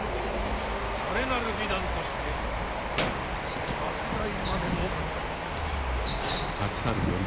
まれなる美談として末代までも語り継ごう。